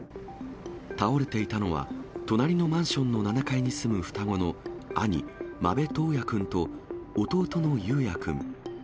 倒れていたのは、隣のマンションの７階に住む双子の兄、間部登也くんと、弟の雄也くん。